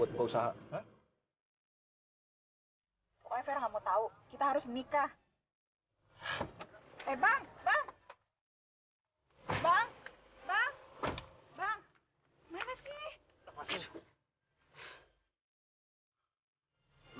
usaha usaha nggak mau tahu kita harus menikah eh bang bang bang